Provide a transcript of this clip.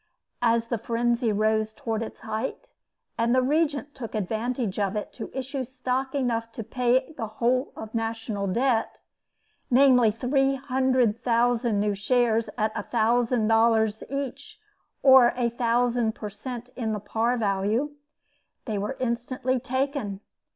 As the frenzy rose toward its height, and the Regent took advantage of it to issue stock enough to pay the whole national debt, namely, three hundred thousand new shares, at $1,000 each, or a thousand per cent. in the par value. They were instantly taken.